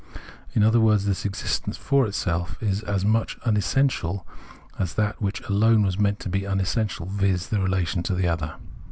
In other words, this existence for itself is as much unessential as that which alone was meant to be unessential, viz. the relation to another.